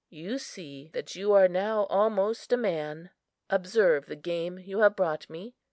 You see that you are now almost a man. Observe the game you have brought me!